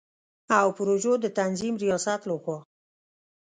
او پروژو د تنظیم ریاست له خوا